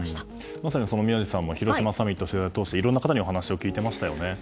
まさに宮司さん広島サミットの取材を通していろいろな方にお話を聞いていましたよね。